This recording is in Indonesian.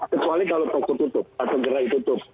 kecuali kalau toko tutup atau gerai tutup